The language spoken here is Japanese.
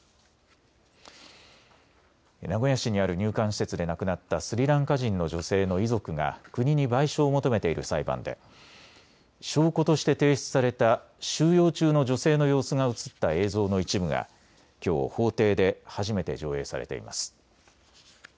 名古屋市にある入管施設で亡くなったスリランカ人の女性の遺族が国に賠償を求めている裁判で証拠として提出された収容中の女性の様子が写った映像の一部がきょう法廷で初めて上映されています。